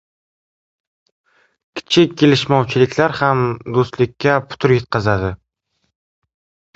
• Kichik kelishmovchiliklar ham do‘stlikka putur yetkazadi.